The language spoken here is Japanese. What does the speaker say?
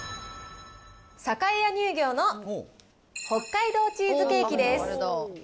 栄屋乳業の北海道チーズケーキです。